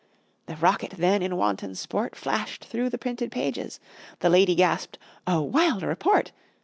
The rocket then in wanton sport Flashed through the printed pages. The lady gasped, "A wild report!"